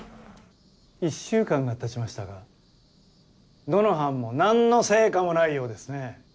１週間がたちましたがどの班も何の成果もないようですね。